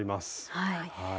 はい。